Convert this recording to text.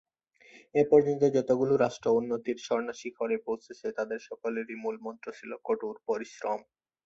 এ পর্যন্ত যতগুলো রাষ্ট্র উন্নতির স্বর্ণশিখরে পৌছেছে তাদের সকলেরই মূলমন্ত্র ছিল কঠোর পরিশ্রম।